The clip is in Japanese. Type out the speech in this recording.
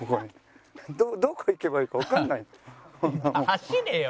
「走れよ！」